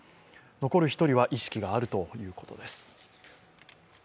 残る１人は意識があるということです。